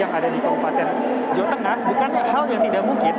yang ada di kabupaten jawa tengah bukanlah hal yang tidak mungkin